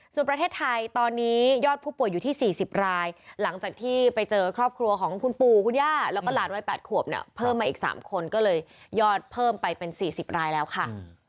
ส่วนประเทศไทยตอนนี้ยอดผู้ป่วยอยู่ที่๔๐รายหลังจากที่ไปเจอครอบครัวของคุณปู่คุณย่าแล้วก็หลานวัย๘ขวบเนี่ยเพิ่มมาอีก๓คนก็เลยยอดเพิ่มไปเป็น๔๐รายแล้วค่ะ